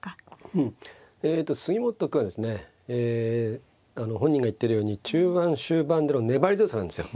うんえと杉本君はですねえ本人が言ってるように中盤終盤での粘り強さなんですよ